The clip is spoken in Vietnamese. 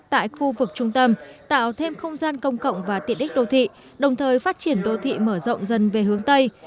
tại khu vực trung tâm tạo thêm không gian công cộng và tiện đích đô thị đồng thời phát triển đô thị mở rộng dân về hướng tây